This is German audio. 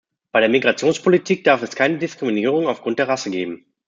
Bei der Migrationspolitik darf es keine Diskriminierung aufgrund der Rasse geben.